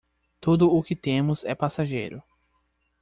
Tudo o que temos é passageiro